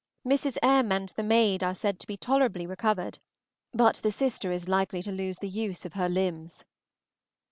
Mrs. M. and the maid are said to be tolerably recovered, but the sister is likely to lose the use of her limbs.